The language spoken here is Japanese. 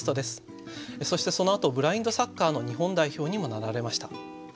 そしてそのあとブラインドサッカーの日本代表にもなられました。